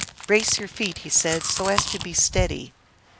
" Brace your feet," he said, " so as to be steady."